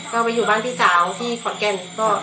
ก็ไปอยู่บ้านพี่สาวที่ขอนแก่นก็